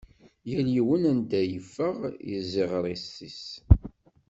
Yal yiwen anda it-yeffeɣ yiziɣer-is.